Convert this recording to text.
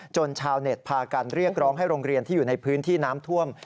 ชาวเน็ตพากันเรียกร้องให้โรงเรียนที่อยู่ในพื้นที่น้ำท่วม